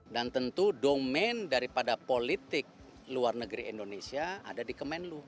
dan tentu domain dari pada politik luar negeri indonesia ada di kemenlo